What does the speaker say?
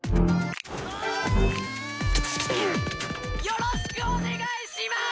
「よろしくお願いします！」。